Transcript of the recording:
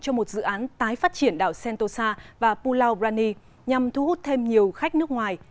cho một dự án tái phát triển đảo sentosa và pulau brani nhằm thu hút thêm nhiều khách nước ngoài